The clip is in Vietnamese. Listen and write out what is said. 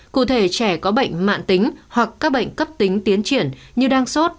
cụ thể trẻ có bệnh mạng tính hoặc các bệnh cấp tính tiến triển như đang sốt